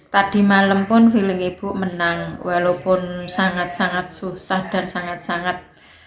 tadi malam pun feeling ibu menang walaupun sangat sangat susah dan sangat sangat